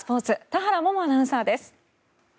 田原萌々アナウンサーです。